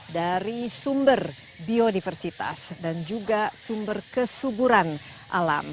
dari sumber biodiversitas dan juga sumber kesuburan alam